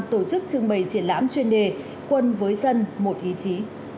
tổ chức trưng bày triển lãm chuyên đề quân với dân một ý chí